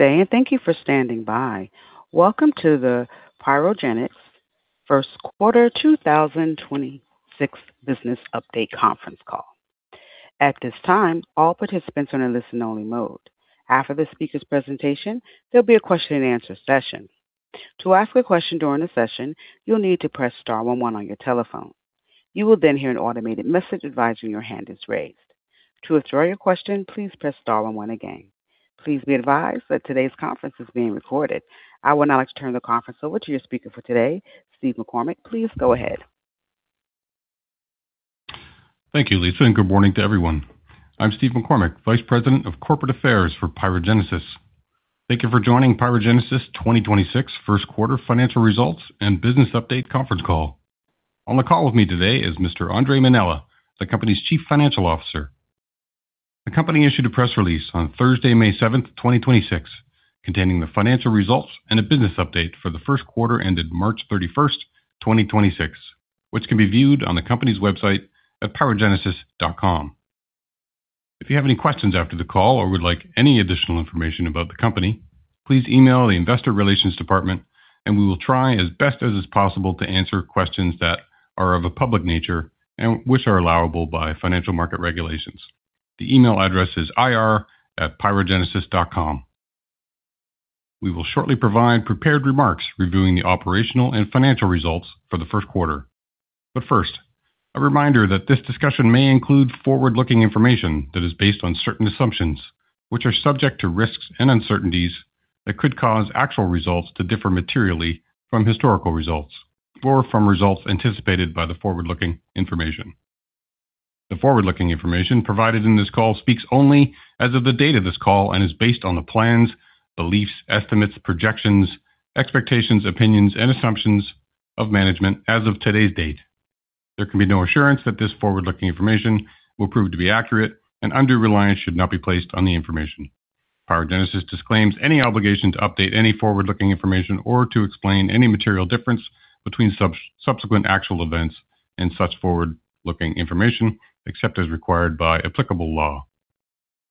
Gooday, and thank you for standing by. Welcome to the PyroGenesis first quarter 2026 business update conference call. At this time, all participants are in listen only mode. After the speaker's presentation, there will be a question and answer session. To ask a question during the session, you will need to press star one one on your telephone. You will then hear an automated message advising your hand is raised. To withdraw your question, please press star one one again. Please be advised that today's conference is being recorded. I would now like to turn the conference over to your speaker for today, Steve McCormick. Please go ahead. Thank you, Lisa, and good morning to everyone. I'm Steve McCormick, Vice President of Corporate Affairs for PyroGenesis. Thank you for joining PyroGenesis 2026 first quarter financial results and business update conference call. On the call with me today is Mr. Andre Mainella, the company's Chief Financial Officer. The company issued a press release on Thursday, May 7th, 2026, containing the financial results and a business update for the first quarter ended March 31st, 2026, which can be viewed on the company's website at pyrogenesis.com. If you have any questions after the call or would like any additional information about the company, please email the investor relations department and we will try as best as is possible to answer questions that are of a public nature and which are allowable by financial market regulations. The email address is ir@pyrogenesis.com. We will shortly provide prepared remarks reviewing the operational and financial results for the first quarter. First, a reminder that this discussion may include forward-looking information that is based on certain assumptions which are subject to risks and uncertainties that could cause actual results to differ materially from historical results or from results anticipated by the forward-looking information. The forward-looking information provided in this call speaks only as of the date of this call and is based on the plans, beliefs, estimates, projections, expectations, opinions and assumptions of management as of today's date. There can be no assurance that this forward-looking information will prove to be accurate and undue reliance should not be placed on the information. PyroGenesis disclaims any obligation to update any forward-looking information or to explain any material difference between subsequent actual events and such forward-looking information except as required by applicable law.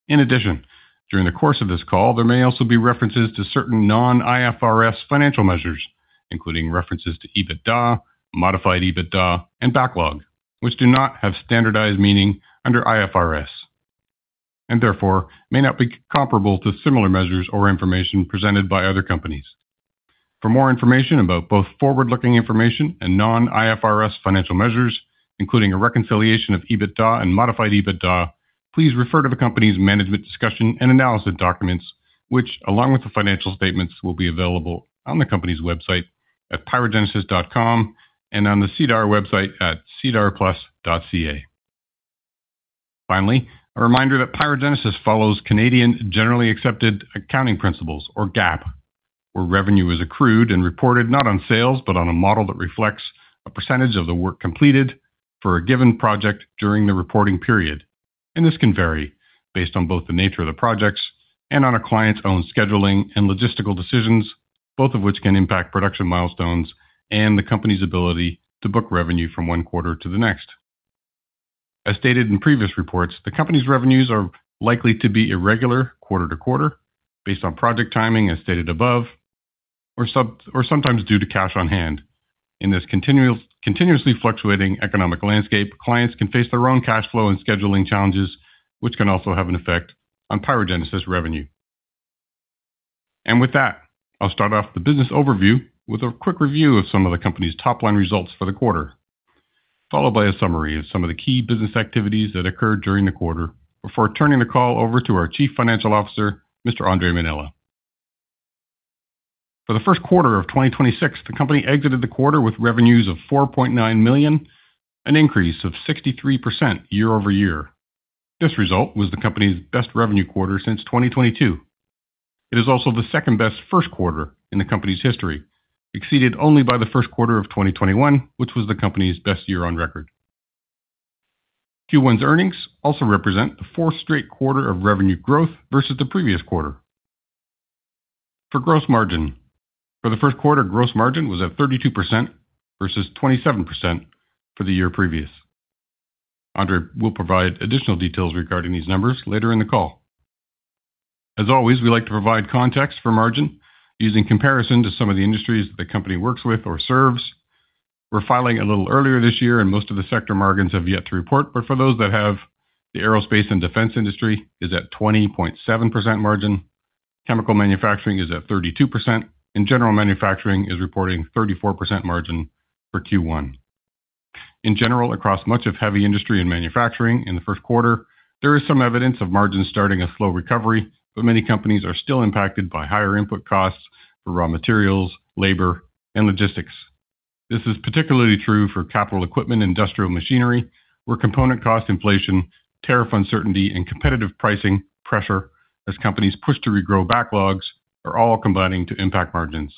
In addition, during the course of this call, there may also be references to certain non-IFRS financial measures, including references to EBITDA, Modified EBITDA and backlog, which do not have standardized meaning under IFRS, and therefore may not be comparable to similar measures or information presented by other companies. For more information about both forward-looking information and non-IFRS financial measures, including a reconciliation of EBITDA and Modified EBITDA, please refer to the company's management discussion and analysis documents, which along with the financial statements, will be available on the company's website at pyrogenesis.com and on the SEDAR website at sedarplus.ca. Finally, a reminder that PyroGenesis follows Canadian generally accepted accounting principles or GAAP, where revenue is accrued and reported not on sales, but on a model that reflects a percentage of the work completed for a given project during the reporting period. This can vary based on both the nature of the projects and on a client's own scheduling and logistical decisions, both of which can impact production milestones and the company's ability to book revenue from one quarter to the next. As stated in previous reports, the company's revenues are likely to be irregular quarter to quarter based on project timing, as stated above, or sometimes due to cash on hand. In this continuously fluctuating economic landscape, clients can face their own cash flow and scheduling challenges, which can also have an effect on PyroGenesis revenue. With that, I'll start off the business overview with a quick review of some of the company's top-line results for the quarter, followed by a summary of some of the key business activities that occurred during the quarter before turning the call over to our Chief Financial Officer, Mr. Andre Mainella. For the first quarter of 2026, the company exited the quarter with revenues of 4.9 million, an increase of 63% year-over-year. This result was the company's best revenue quarter since 2022. It is also the second best first quarter in the company's history, exceeded only by the first quarter of 2021, which was the company's best year on record. Q1's earnings also represent the fourth straight quarter of revenue growth versus the previous quarter. For gross margin. For the first quarter, gross margin was at 32% versus 27% for the year previous. Andre will provide additional details regarding these numbers later in the call. As always, we like to provide context for margin using comparison to some of the industries that the company works with or serves. We're filing a little earlier this year and most of the sector margins have yet to report, but for those that have, the aerospace and defense industry is at 20.7% margin. Chemical manufacturing is at 32%. General manufacturing is reporting 34% margin for Q1. In general, across much of heavy industry and manufacturing in the first quarter, there is some evidence of margins starting a slow recovery, but many companies are still impacted by higher input costs for raw materials, labor and logistics. This is particularly true for capital equipment and industrial machinery, where component cost inflation, tariff uncertainty and competitive pricing pressure as companies push to regrow backlogs are all combining to impact margins.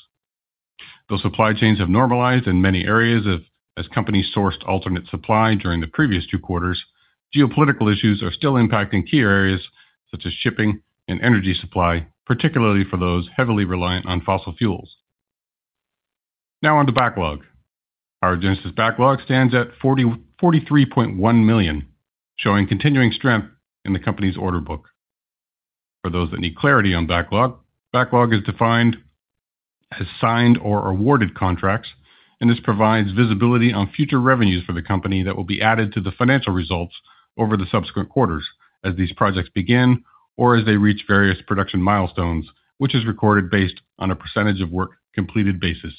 Though supply chains have normalized in many areas as companies sourced alternate supply during the previous two quarters, geopolitical issues are still impacting key areas such as shipping and energy supply, particularly for those heavily reliant on fossil fuels. On to backlog. PyroGenesis backlog stands at 43.1 million, showing continuing strength in the company's order book. For those that need clarity on backlog is defined as signed or awarded contracts, this provides visibility on future revenues for the company that will be added to the financial results over the subsequent quarters as these projects begin or as they reach various production milestones, which is recorded based on a percentage of work completed basis.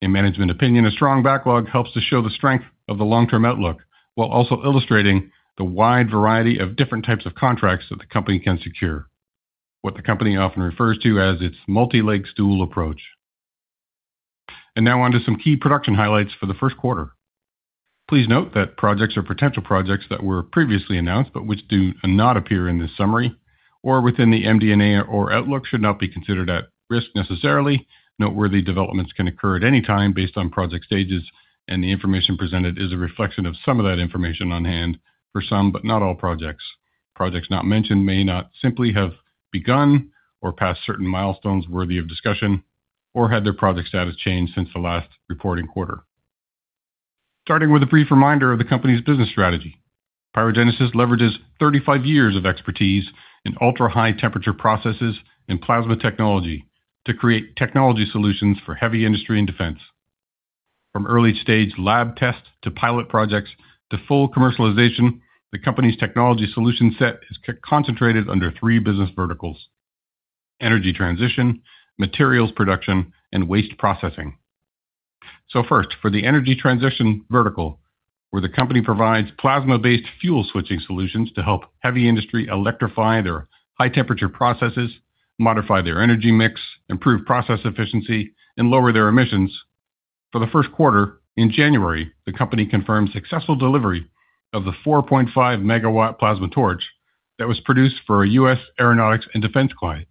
In management opinion, a strong backlog helps to show the strength of the long-term outlook while also illustrating the wide variety of different types of contracts that the company can secure, what the company often refers to as its multi-leg stool approach. Now on to some key production highlights for the first quarter. Please note that projects or potential projects that were previously announced but which do not appear in this summary or within the MD&A or outlook should not be considered at risk necessarily. Noteworthy developments can occur at any time based on project stages, and the information presented is a reflection of some of that information on hand for some, but not all projects. Projects not mentioned may not simply have begun or passed certain milestones worthy of discussion or had their project status changed since the last reporting quarter. Starting with a brief reminder of the company's business strategy, PyroGenesis leverages 35 years of expertise in ultra-high temperature processes and plasma technology to create technology solutions for heavy industry and defense. From early-stage lab tests to pilot projects to full commercialization, the company's technology solution set is concentrated under three business verticals: energy transition, materials production, and waste processing. First, for the energy transition vertical, where the company provides plasma-based fuel switching solutions to help heavy industry electrify their high temperature processes, modify their energy mix, improve process efficiency, and lower their emissions. For the first quarter in January, the company confirmed successful delivery of the 4.5 MW plasma torch that was produced for a U.S. aeronautics and defense client.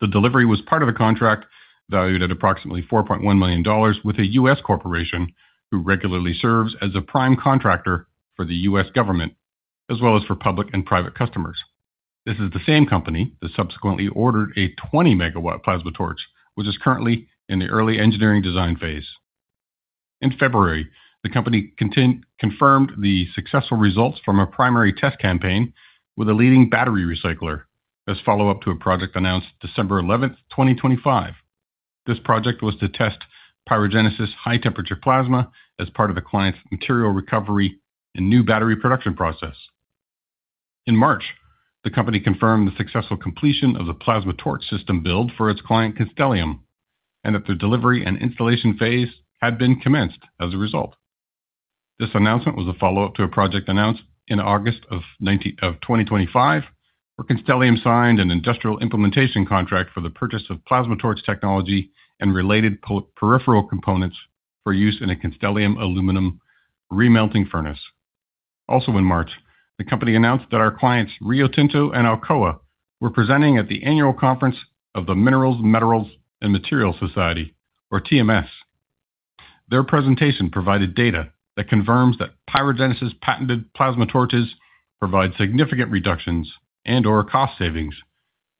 The delivery was part of a contract valued at approximately 4.1 million dollars with a U.S. corporation who regularly serves as a prime contractor for the U.S. government, as well as for public and private customers. This is the same company that subsequently ordered a 20 MW plasma torch, which is currently in the early engineering design phase. In February, the company confirmed the successful results from a primary test campaign with a leading battery recycler as follow-up to a project announced December 11th, 2025. This project was to test PyroGenesis high temperature plasma as part of the client's material recovery and new battery production process. In March, the company confirmed the successful completion of the plasma torch system build for its client, Constellium, and that the delivery and installation phase had been commenced as a result. This announcement was a follow-up to a project announced in August of 2025, where Constellium signed an industrial implementation contract for the purchase of plasma torch technology and related peripheral components for use in a Constellium aluminum re-melting furnace. Also in March, the company announced that our clients, Rio Tinto and Alcoa, were presenting at the annual conference of The Minerals, Metals, and Materials Society, or TMS. Their presentation provided data that confirms that PyroGenesis patented plasma torches provide significant reductions and/or cost savings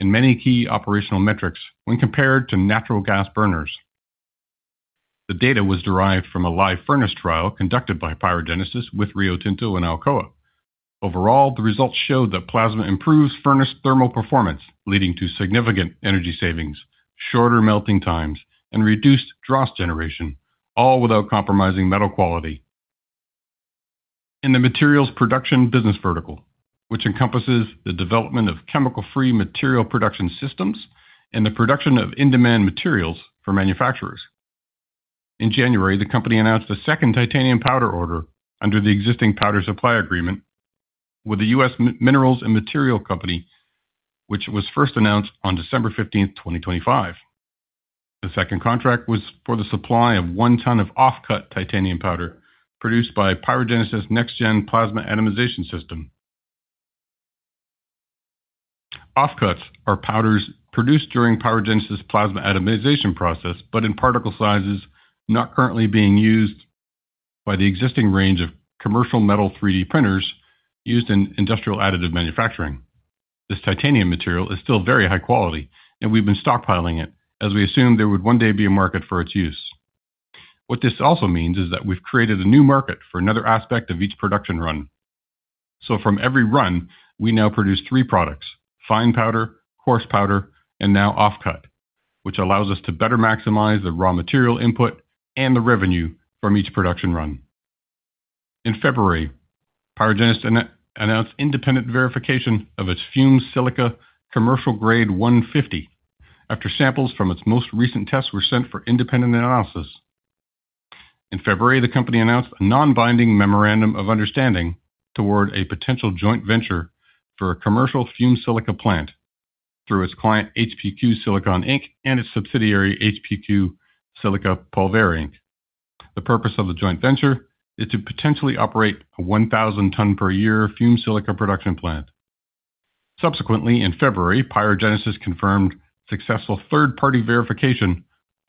in many key operational metrics when compared to natural gas burners. The data was derived from a live furnace trial conducted by PyroGenesis with Rio Tinto and Alcoa. Overall, the results showed that plasma improves furnace thermal performance, leading to significant energy savings, shorter melting times, and reduced dross generation, all without compromising metal quality. In the materials production business vertical, which encompasses the development of chemical-free material production systems and the production of in-demand materials for manufacturers. In January, the company announced a second titanium powder order under the existing powder supply agreement with the U.S. Minerals and Material Company, which was first announced on December 15, 2025. The second contract was for the supply of one ton of off-cut titanium powder produced by PyroGenesis' next-gen plasma atomization system. Off-cuts are powders produced during PyroGenesis' plasma atomization process, but in particle sizes not currently being used by the existing range of commercial metal 3D printers used in industrial additive manufacturing. This titanium material is still very high quality, and we've been stockpiling it as we assumed there would one day be a market for its use. What this also means is that we've created a new market for another aspect of each production run. From every run, we now produce three products, fine powder, coarse powder, and now off-cut, which allows us to better maximize the raw material input and the revenue from each production run. In February, PyroGenesis announced independent verification of its Fumed Silica commercial grade 150 after samples from its most recent tests were sent for independent analysis. In February, the company announced a non-binding memorandum of understanding toward a potential joint venture for a commercial Fumed Silica plant through its client, HPQ Silicon Inc, and its subsidiary, HPQ Silica Polvere Inc. The purpose of the joint venture is to potentially operate a 1,000 ton per year Fumed Silica production plant. Subsequently, in February, PyroGenesis confirmed successful third-party verification of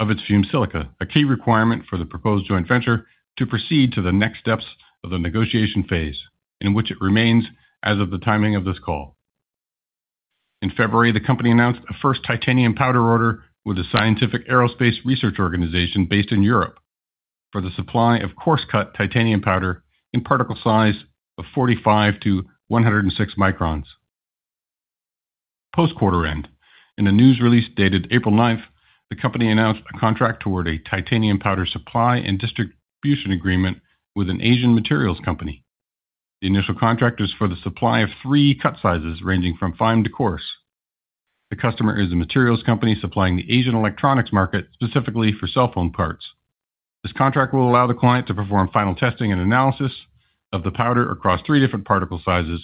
its Fumed Silica, a key requirement for the proposed joint venture to proceed to the next steps of the negotiation phase, in which it remains as of the timing of this call. In February, the company announced a first titanium powder order with a scientific aerospace research organization based in Europe for the supply of coarse-cut titanium powder in particle size of 45-106 microns. Post-quarter end, in a news release dated April ninth, the company announced a contract toward a titanium powder supply and distribution agreement with an Asian materials company. The initial contract is for the supply of three cut sizes ranging from fine to coarse. The customer is a materials company supplying the Asian electronics market specifically for cell phone parts. This contract will allow the client to perform final testing and analysis of the powder across three different particle sizes.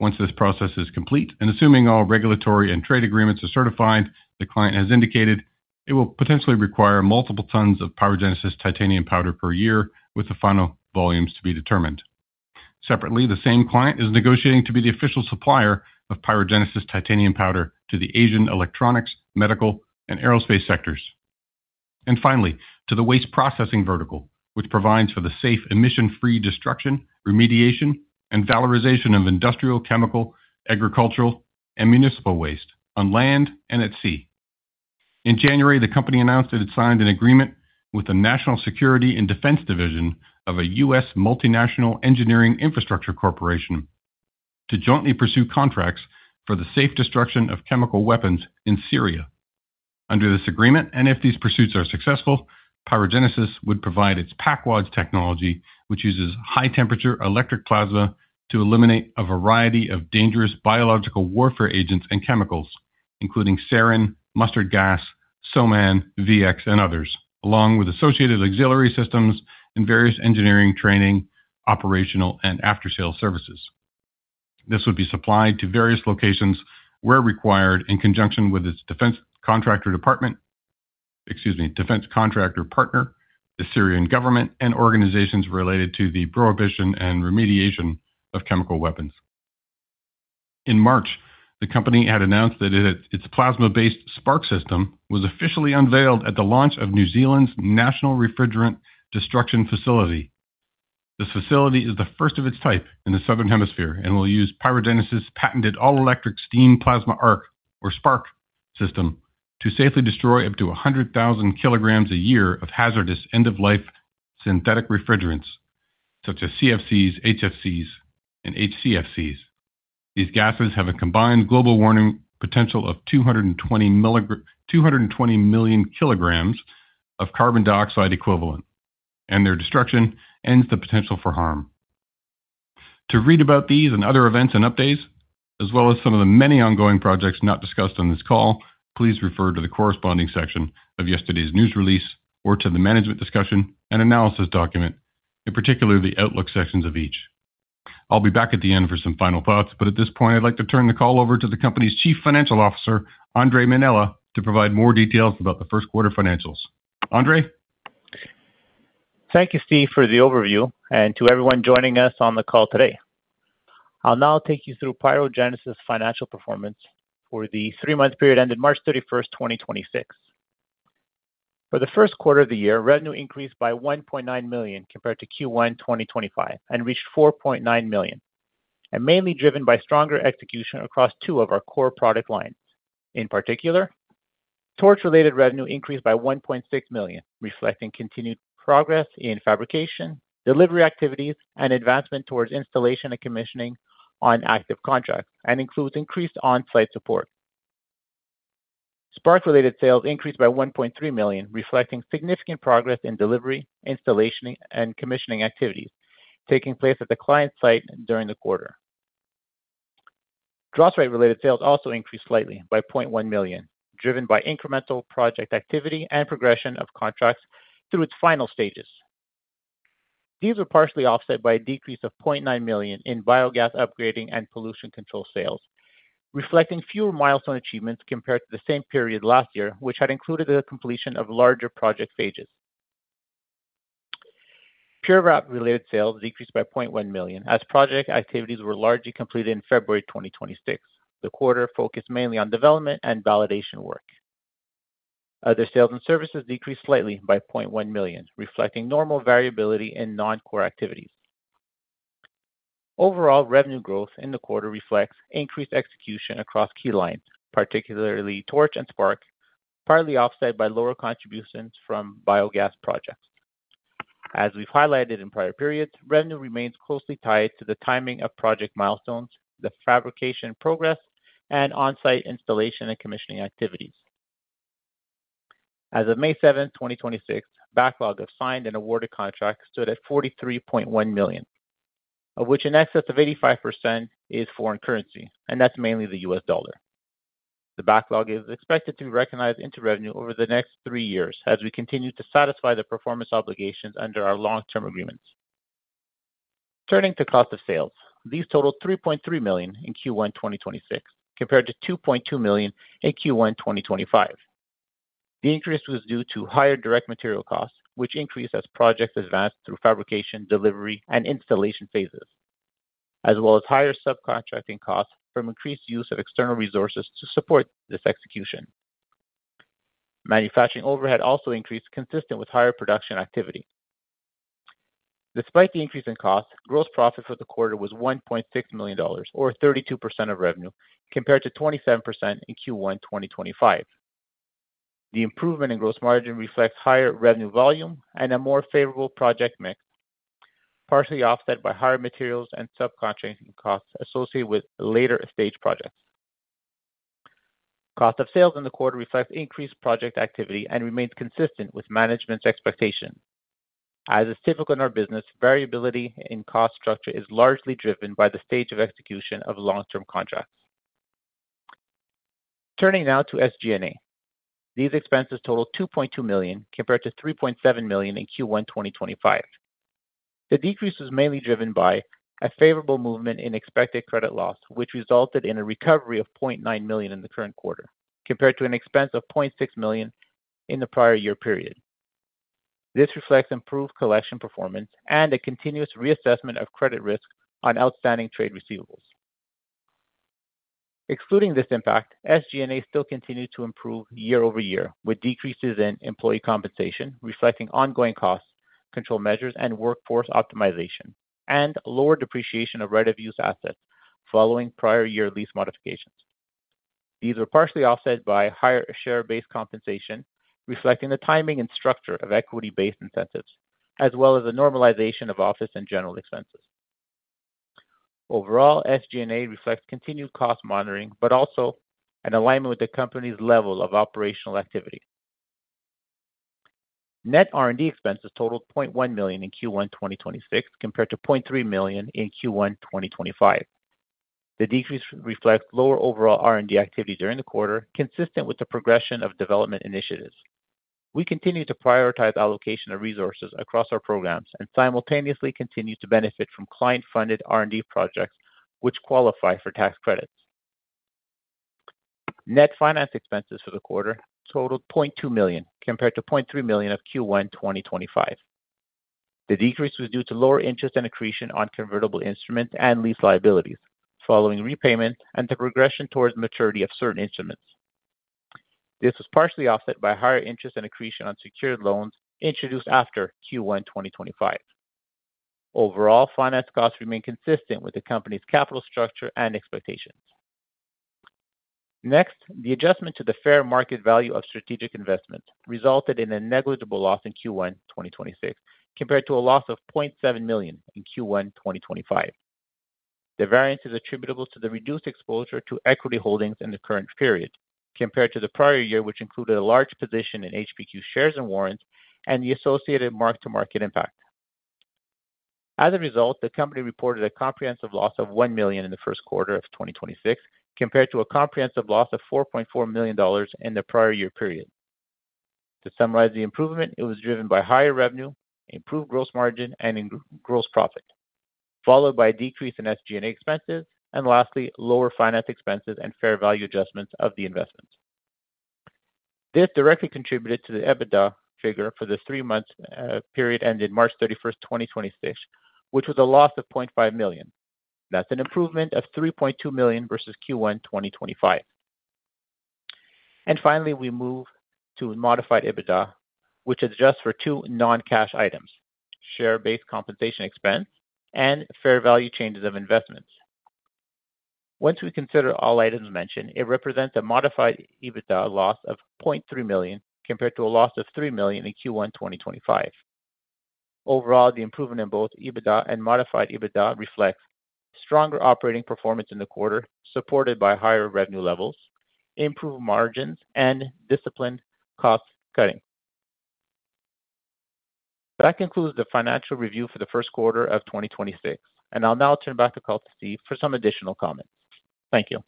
Once this process is complete, assuming all regulatory and trade agreements are certified, the client has indicated it will potentially require multiple tons of PyroGenesis titanium powder per year with the final volumes to be determined. Separately, the same client is negotiating to be the official supplier of PyroGenesis titanium powder to the Asian electronics, medical, and aerospace sectors. Finally, to the waste processing vertical, which provides for the safe emission-free destruction, remediation, and valorization of industrial, chemical, agricultural, and municipal waste on land and at sea. In January, the company announced that it signed an agreement with the National Security and Defense Division of a U.S. multinational engineering infrastructure corporation to jointly pursue contracts for the safe destruction of chemical weapons in Syria. Under this agreement, if these pursuits are successful, PyroGenesis would provide its PACWADS technology, which uses high-temperature electric plasma to eliminate a variety of dangerous biological warfare agents and chemicals, including sarin, mustard gas, soman, VX, and others, along with associated auxiliary systems and various engineering training, operational, and after-sales services. This would be supplied to various locations where required in conjunction with its defense contractor partner, the Syrian government, and organizations related to the prohibition and remediation of chemical weapons. In March, the company had announced that its plasma-based SPARC system was officially unveiled at the launch of New Zealand's National Refrigerant Destruction Facility. This facility is the first of its type in the Southern Hemisphere and will use PyroGenesis' patented all-electric steam plasma arc, or SPARC, system to safely destroy up to 100,000 kilograms a year of hazardous end-of-life synthetic refrigerants, such as CFCs, HFCs, and HCFCs. These gases have a combined global warming potential of 220 million kilograms of carbon dioxide equivalent, and their destruction ends the potential for harm. To read about these and other events and updates, as well as some of the many ongoing projects not discussed on this call, please refer to the corresponding section of yesterday's news release or to the management discussion and analysis document, in particular, the outlook sections of each. I'll be back at the end for some final thoughts, but at this point, I'd like to turn the call over to the company's Chief Financial Officer, Andre Mainella, to provide more details about the first quarter financials. Andre. Thank you, Steve, for the overview and to everyone joining us on the call today. I'll now take you through PyroGenesis' financial performance for the three-month period ended March 31st, 2026. For the first quarter of the year, revenue increased by 1.9 million compared to Q1 2025 and reached 4.9 million, and mainly driven by stronger execution across two of our core product lines. In particular, TORCH-related revenue increased by 1.6 million, reflecting continued progress in fabrication, delivery activities, and advancement towards installation and commissioning on active contracts, and includes increased on-site support. SPARC-related sales increased by 1.3 million, reflecting significant progress in delivery, installation, and commissioning activities taking place at the client site during the quarter. DROSRITE-related sales also increased slightly by 0.1 million, driven by incremental project activity and progression of contracts through its final stages. These were partially offset by a decrease of 0.9 million in biogas upgrading and pollution control sales, reflecting fewer milestone achievements compared to the same period last year, which had included the completion of larger project phases. PUREVAP-related sales decreased by 0.1 million, as project activities were largely completed in February 2026. The quarter focused mainly on development and validation work. Other sales and services decreased slightly by 0.1 million, reflecting normal variability in non-core activities. Overall, revenue growth in the quarter reflects increased execution across key lines, particularly TORCH and SPARC, partly offset by lower contributions from biogas projects. As we've highlighted in prior periods, revenue remains closely tied to the timing of project milestones, the fabrication progress, and on-site installation and commissioning activities. As of May 7, 2026, backlog of signed and awarded contracts stood at 43.1 million, of which in excess of 85% is foreign currency, and that's mainly the US dollar. The backlog is expected to be recognized into revenue over the next three years as we continue to satisfy the performance obligations under our long-term agreements. Turning to cost of sales, these totaled 3.3 million in Q1 2026 compared to 2.2 million in Q1 2025. The increase was due to higher direct material costs, which increased as projects advanced through fabrication, delivery, and installation phases, as well as higher subcontracting costs from increased use of external resources to support this execution. Manufacturing overhead also increased consistent with higher production activity. Despite the increase in cost, gross profit for the quarter was 1.6 million dollars or 32% of revenue compared to 27% in Q1 2025. The improvement in gross margin reflects higher revenue volume and a more favorable project mix, partially offset by higher materials and subcontracting costs associated with later-stage projects. Cost of sales in the quarter reflects increased project activity and remains consistent with management's expectations. As is typical in our business, variability in cost structure is largely driven by the stage of execution of long-term contracts. Turning now to SG&A. These expenses totaled 2.2 million compared to 3.7 million in Q1 2025. The decrease was mainly driven by a favorable movement in expected credit loss, which resulted in a recovery of 0.9 million in the current quarter, compared to an expense of 0.6 million in the prior year period. This reflects improved collection performance and a continuous reassessment of credit risk on outstanding trade receivables. Excluding this impact, SG&A still continued to improve year-over-year, with decreases in employee compensation reflecting ongoing costs, control measures and workforce optimization, and lower depreciation of right of use assets following prior year lease modifications. These were partially offset by higher share-based compensation, reflecting the timing and structure of equity-based incentives, as well as a normalization of office and general expenses. Overall, SG&A reflects continued cost monitoring, but also an alignment with the company's level of operational activity. Net R&D expenses totaled 0.1 million in Q1 2026, compared to 0.3 million in Q1 2025. The decrease reflects lower overall R&D activity during the quarter, consistent with the progression of development initiatives. We continue to prioritize allocation of resources across our programs and simultaneously continue to benefit from client-funded R&D projects which qualify for tax credits. Net finance expenses for the quarter totaled 0.2 million, compared to 0.3 million of Q1 2025. The decrease was due to lower interest and accretion on convertible instruments and lease liabilities following repayment and the progression towards maturity of certain instruments. This was partially offset by higher interest and accretion on secured loans introduced after Q1 2025. Overall, finance costs remain consistent with the company's capital structure and expectations. Next, the adjustment to the fair market value of strategic investment resulted in a negligible loss in Q1 2026, compared to a loss of 0.7 million in Q1 2025. The variance is attributable to the reduced exposure to equity holdings in the current period compared to the prior year, which included a large position in HPQ shares and warrants and the associated mark-to-market impact. As a result, the company reported a comprehensive loss of 1 million in the first quarter of 2026, compared to a comprehensive loss of 4.4 million dollars in the prior year period. To summarize the improvement, it was driven by higher revenue, improved gross margin, and gross profit, followed by a decrease in SG&A expenses and lastly, lower finance expenses and fair value adjustments of the investments. This directly contributed to the EBITDA figure for the three-month period ended March 31st, 2026, which was a loss of 0.5 million. That's an improvement of 3.2 million versus Q1 2025. Finally, we move to Modified EBITDA, which adjusts for two non-cash items: share-based compensation expense and fair value changes of investments. Once we consider all items mentioned, it represents a Modified EBITDA loss of 0.3 million, compared to a loss of 3 million in Q1 2025. Overall, the improvement in both EBITDA and Modified EBITDA reflects stronger operating performance in the quarter, supported by higher revenue levels, improved margins and disciplined cost cutting. That concludes the financial review for the first quarter of 2026, and I'll now turn back the call to Steve for some additional comments. Thank you.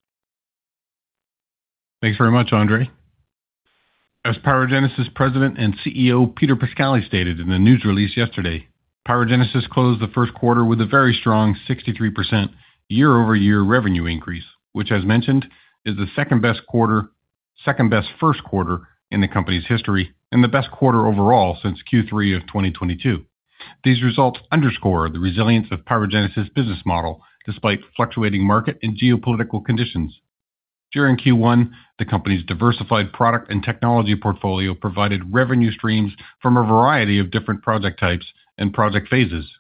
Thanks very much, Andre Mainella. As PyroGenesis President and CEO P. Peter Pascali stated in the news release yesterday, PyroGenesis closed the first quarter with a very strong 63% year-over-year revenue increase, which as mentioned, is the second best quarter, second best first quarter in the company's history and the best quarter overall since Q3 of 2022. These results underscore the resilience of PyroGenesis business model despite fluctuating market and geopolitical conditions. During Q1, the company's diversified product and technology portfolio provided revenue streams from a variety of different project types and project phases.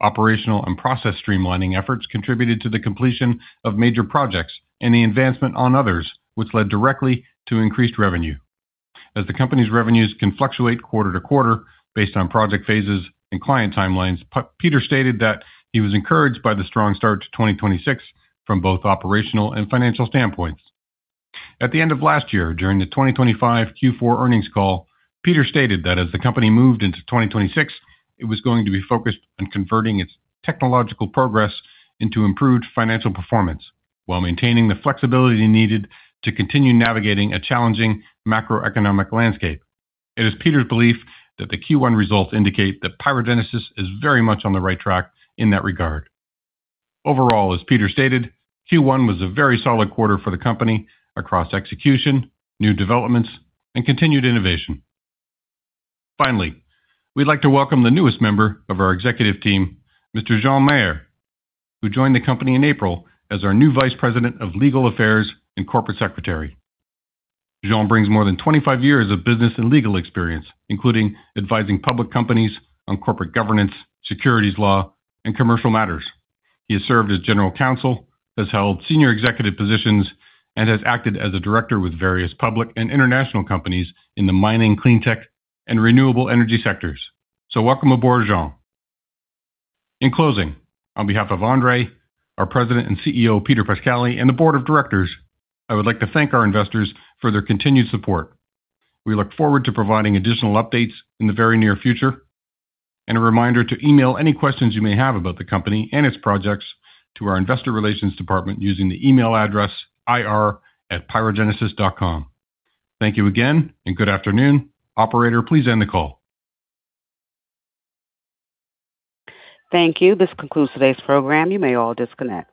Operational and process streamlining efforts contributed to the completion of major projects and the advancement on others, which led directly to increased revenue. As the company's revenues can fluctuate quarter to quarter based on project phases and client timelines, P. Peter stated that he was encouraged by the strong start to 2026 from both operational and financial standpoints. At the end of last year, during the 2025 Q4 earnings call, Peter stated that as the company moved into 2026, it was going to be focused on converting its technological progress into improved financial performance while maintaining the flexibility needed to continue navigating a challenging macroeconomic landscape. It is Peter's belief that the Q1 results indicate that PyroGenesis is very much on the right track in that regard. Overall, as Peter stated, Q1 was a very solid quarter for the company across execution, new developments and continued innovation. Finally, we'd like to welcome the newest member of our executive team, Mr. Jean Maher, who joined the company in April as our new Vice President of Legal Affairs and Corporate Secretary. Jean brings more than 25 years of business and legal experience, including advising public companies on corporate governance, securities law and commercial matters. He has served as General Counsel, has held senior executive positions, and has acted as a Director with various public and international companies in the mining, clean tech and renewable energy sectors. Welcome aboard, Jean. In closing, on behalf of Andre, our President and CEO, Peter Pascali, and the Board of Directors, I would like to thank our investors for their continued support. We look forward to providing additional updates in the very near future. A reminder to email any questions you may have about the company and its projects to our investor relations department using the email address ir@pyrogenesis.com. Thank you again and good afternoon. Operator, please end the call. Thank you. This concludes today's program. You may all disconnect.